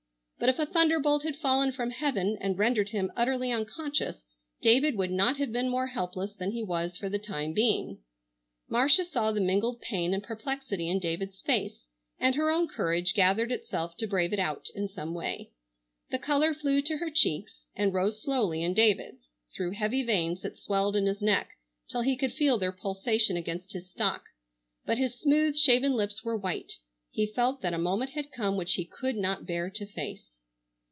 But if a thunderbolt had fallen from heaven and rendered him utterly unconscious David would not have been more helpless than he was for the time being. Marcia saw the mingled pain and perplexity in David's face, and her own courage gathered itself to brave it out in some way. The color flew to her cheeks, and rose slowly in David's, through heavy veins that swelled in his neck till he could feel their pulsation against his stock, but his smooth shaven lips were white. He felt that a moment had come which he could not bear to face.